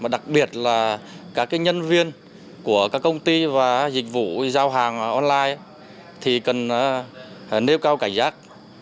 đặc biệt là các nhân viên của các công ty và dịch vụ giao hàng online thì cần nêu cao cảnh giác